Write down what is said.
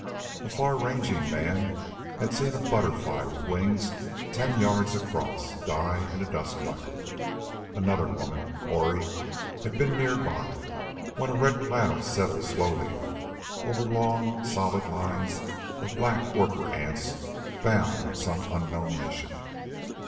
A far ranging man had seen a butterfly, with wings ten yards across, die in a dust cloud. Another woman Cori had been nearby when a red cloud settled slowly over long, solid lines of black worker ants bound on some unknown mission.